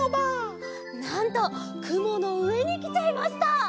なんとくものうえにきちゃいました！